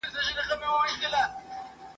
الواته کیږي په زور د وزرونو ..